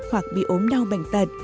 hoặc bị ốm đau bệnh tật